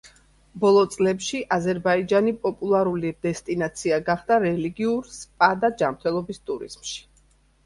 ბოლო წლებში, აზერბაიჯანი პოპულარული დესტინაცია გახდა რელიგიურ, სპა და ჯანმრთელობის ტურიზმში.